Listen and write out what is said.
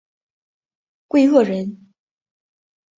桂萼人。